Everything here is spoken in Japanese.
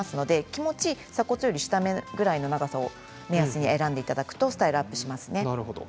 気持ち鎖骨より下の辺りを目安に選んでいただくとスタイルアップします。